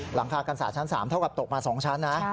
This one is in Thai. หลังคากรรษาชั้น๓เท่ากันตกลงแลกมาสองชั้น